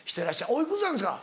おいくつなんですか？